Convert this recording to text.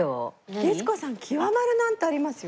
律子さん「極まる」なんてありますよ。